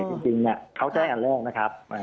เอ้ยจริงเนี่ยเขาแจ้งอันแรกนะครับ